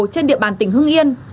trên địa bàn tỉnh hương yên